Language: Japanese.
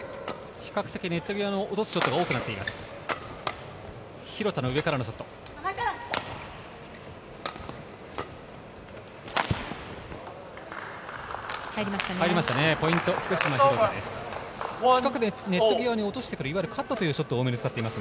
比較的ネット際の落とすショットが多くなっています。